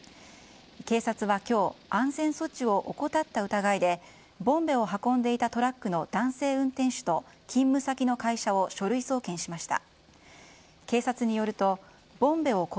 警察は今日安全措置を怠った疑いでボンベを運んでいたトラックの男性運転手と勤務先の会社を書類送検しました。